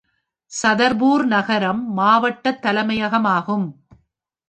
சதர்பூர் நகரம் மாவட்ட தலைமையகமாகும்.